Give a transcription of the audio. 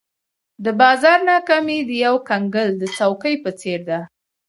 د بازار ناکامي د یو کنګل د څوکې په څېر ده.